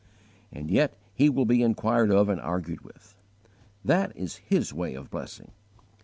And yet He will be inquired of and argued with. That is His way of blessing.